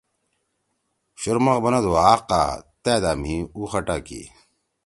شُورمُخ بنَدُو: ”اقا! تأ دا مھی اُو خٹا کی“۔